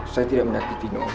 saya tidak menyakiti om